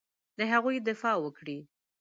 د هغوی دفاع وکړي.